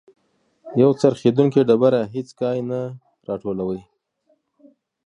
یو څرخیدونکی ډبره هیڅ کای نه راټولوي.